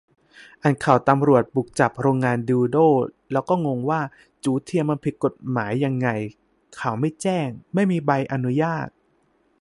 อ่านข่าวตำรวจบุกจับโรงงานดิลโด้ แล้วก็งงว่า จู๋เทียมมันผิดกฎหมายยังไง ? ข่าวไม่แจ้ง ไม่มีใบอนุญาต ?